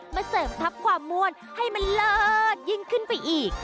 เสริมทัพความม่วนให้มันเลิศยิ่งขึ้นไปอีก